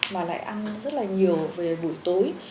mà lại ăn rất là nhiều về buổi tối